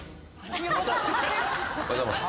おはようございます。